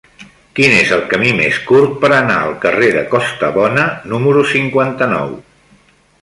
Quin és el camí més curt per anar al carrer de Costabona número cinquanta-nou?